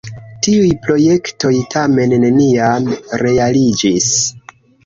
Tiuj projektoj tamen neniam realiĝis.